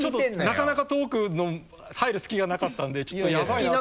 なかなかトークの入る隙がなかったんでちょっとヤバイなと思って。